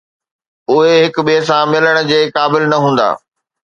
اهي هڪ ٻئي سان ملڻ جي قابل نه هوندا